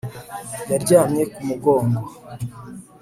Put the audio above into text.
Yaryamye ku mugongo